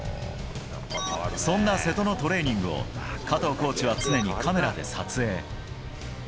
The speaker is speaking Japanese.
そんな瀬戸のトレーニングを加藤コーチは常にカメラで撮影。